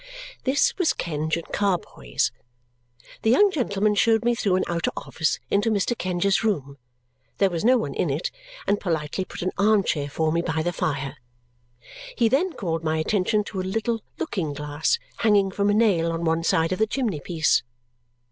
This was Kenge and Carboy's. The young gentleman showed me through an outer office into Mr. Kenge's room there was no one in it and politely put an arm chair for me by the fire. He then called my attention to a little looking glass hanging from a nail on one side of the chimney piece.